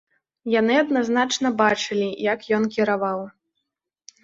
Яны адназначна бачылі, як ён кіраваў.